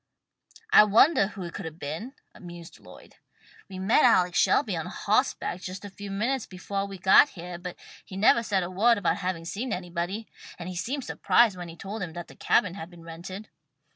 "I wondah who it could have been," mused Lloyd. "We met Alex Shelby on hawseback just a few minutes befoah we got heah, but he nevah said a word about having seen anybody, and he seemed surprised when we told him that the cabin had been rented."